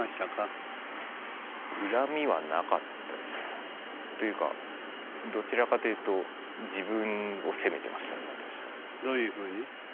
恨みはなかったですね。というかどちらかというとどういうふうに？